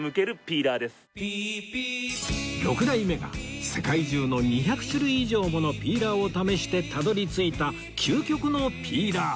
６代目が世界中の２００種類以上ものピーラーを試してたどり着いた究極のピーラー